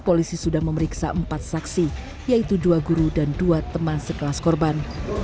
polisi sudah memeriksa empat saksi yaitu dua guru dan dua teman sekelas korban